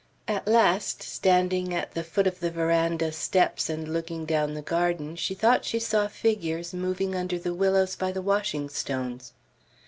At last, standing at the foot of the veranda steps, and looking down the garden, she thought she saw figures moving under the willows by the washing stones.